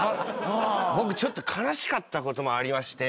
僕ちょっと悲しかったことがありまして。